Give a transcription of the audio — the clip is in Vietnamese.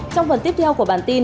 trong phần tiếp theo của bản tin